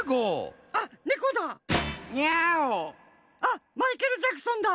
あっマイケル・ジャクソンだ。